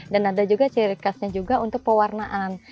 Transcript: dan ada juga ciri khasnya juga untuk pewarnaan